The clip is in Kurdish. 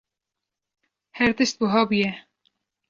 Her tişt buha bûye.